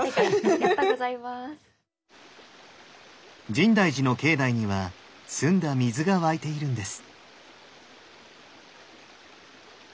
深大寺の境内には澄んだ水が湧いているんです。